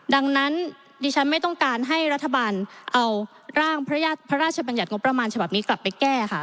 ดังนั้นดิฉันไม่ต้องการให้รัฐบาลเอาร่างพระราชบัญญัติงบประมาณฉบับนี้กลับไปแก้ค่ะ